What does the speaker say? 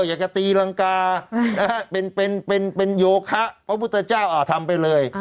อยากจะตีลังกาเป็นโยคะเพราะพระพระพุทธเจ้าอ่ะทำไปเลย